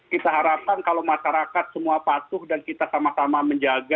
kita harapkan kalau masyarakat semua patuh dan kita sama sama menjaga